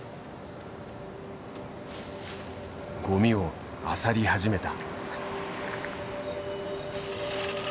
ゴミをあさり始めた。